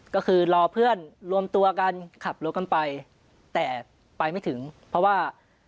ก็คือรอเพื่อนรวมตัวกันขับรถกันไปแต่ไปไม่ถึงเพราะว่า